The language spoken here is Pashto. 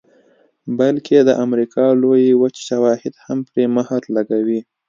بلکې د امریکا لویې وچې شواهد هم پرې مهر لګوي